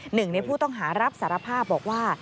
หนึ่งในผู้ต้องหารับสารภาพบอกว่า